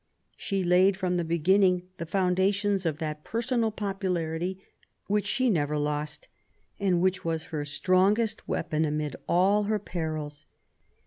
She laid from the beginning the foundations of that personal popu larity which she never lost, and which was her strongest weapon amid all her perils.